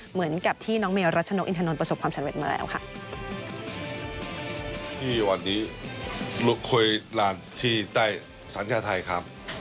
เหมือนกับที่น้องเมล์รัชนกอินทานนท์ประสบความสำเร็จมาแล้วค่ะ